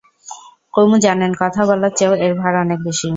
কুমু জানে কথা বলার চেয়েও এর ভার অনেক বেশি।